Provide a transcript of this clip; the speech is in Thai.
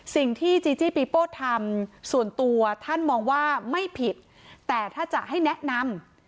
จีจี้ปีโป้ทำส่วนตัวท่านมองว่าไม่ผิดแต่ถ้าจะให้แนะนำ